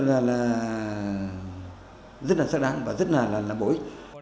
rất là xác đáng và rất là làm bối